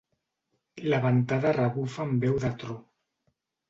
La ventada rebufa amb veu de tro.